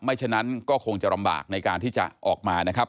ฉะนั้นก็คงจะลำบากในการที่จะออกมานะครับ